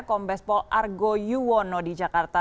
kombes pol argo yuwono di jakarta